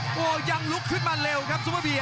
โอ้โหยังลุกขึ้นมาเร็วครับซุปเปอร์เบียร์